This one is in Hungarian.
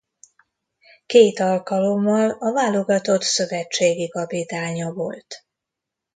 Két alkalommal a válogatott szövetségi kapitánya volt.